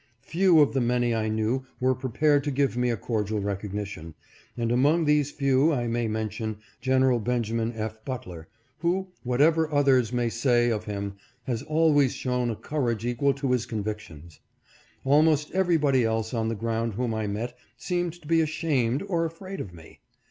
Few of the many I knew were prepared to give me a cordial recognition, and among these few I may men tion Gen. Benj. F. Butler, who, whatever others may say of him, has always shown a courage equal to his convic tions. Almost everybody else on the ground whom I met seemed to be ashamed or afraid of me.